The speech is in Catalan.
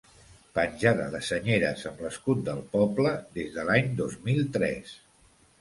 Penjada de senyeres amb l'escut del poble, des de l'any dos mil tres.